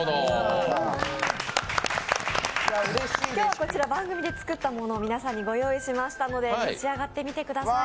こちら番組で作ったものを皆さんにご用意しましたので召し上がってみてください。